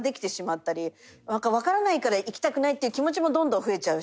わからないから行きたくないっていう気持ちもどんどん増えちゃうし。